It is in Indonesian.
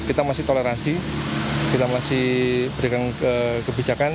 kita masih toleransi kita masih berikan kebijakan